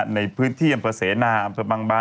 ในพื้นที่อำเภอเสนาอำเภอบางบาน